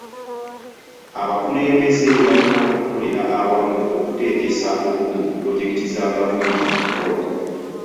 Abakulembeze balina okukolera awamu okuteekesa obulungi pulojekiti za gavumenti mu nkola.